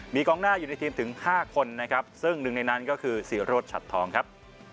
มีกองหน้าอยู่ในทีมถึง๕คนนะครับซึ่งหนึ่งในนั้นก็คือศิโรธชัดทองครับ